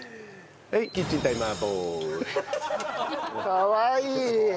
かわいい！